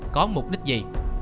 có mục đích gì